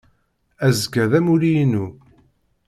Azekka d amulli-inu.